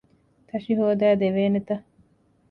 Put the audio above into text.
ތަށި ހޯދައިދެވޭނެތަ؟